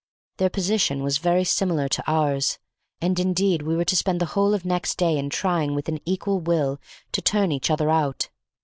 Their position was very similar to ours, and indeed we were to spend the whole of next day in trying with an equal will to turn each other out.